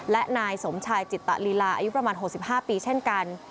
และนายสมชายจิตตะลีลาอายุประมาณ๖๕ปีเช่นกัน